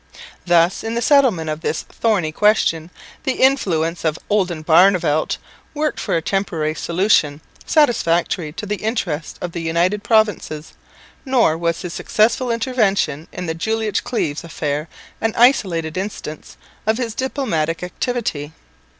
Thus, in the settlement of this thorny question, the influence of Oldenbarneveldt worked for a temporary solution satisfactory to the interests of the United Provinces; nor was his successful intervention in the Jülich Cleves affair an isolated instance of his diplomatic activity.